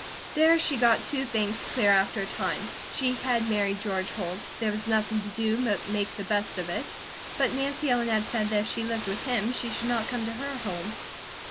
There she got two things clear after a time. She had married George Holt, there was nothing to do but make the best of it. But Nancy Ellen had said that if she lived with him she should not come to her home.